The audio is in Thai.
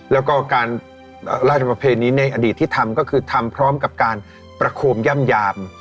แล้วก็การราชประเพณีในอดีตที่ทำก็คือทำพร้อมกับการประโคมย่ำยาม